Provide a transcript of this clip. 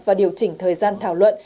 và điều chỉnh thời gian thảo luận